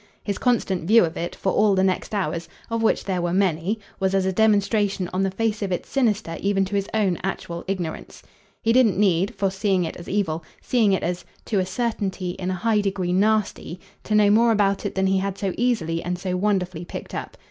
His constant view of it, for all the next hours, of which there were many, was as a demonstration on the face of it sinister even to his own actual ignorance. He didn't need, for seeing it as evil, seeing it as, to a certainty, in a high degree "nasty," to know more about it than he had so easily and so wonderfully picked up.